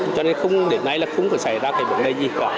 cho nên đến nay là không có xảy ra cái vấn đề gì